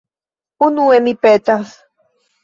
Unue, mi petas...